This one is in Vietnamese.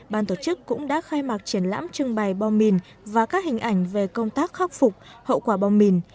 ban tổ chức cũng đã khai mạc triển lãm trưng bày bom mìn và các hình ảnh về công tác khắc phục hậu quả bom mìn